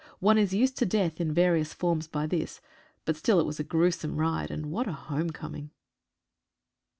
One is used to death in various forms by this — but still it was a gruesome ride, and what a homecoming.